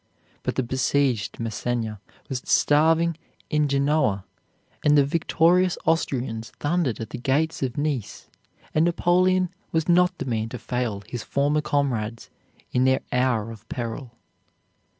But the besieged Massena was starving in Genoa, and the victorious Austrians thundered at the gates of Nice, and Napoleon was not the man to fail his former comrades in their hour of peril.